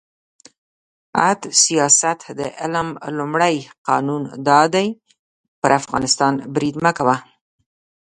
«عد سیاست د علم لومړی قانون دا دی: پر افغانستان برید مه کوه.